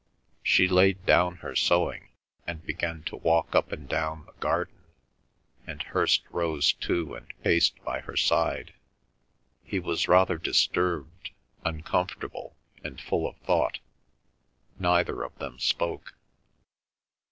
She laid down her sewing, and began to walk up and down the garden, and Hirst rose too and paced by her side. He was rather disturbed, uncomfortable, and full of thought. Neither of them spoke.